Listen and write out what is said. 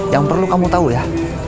yang perlu kamu tahu ya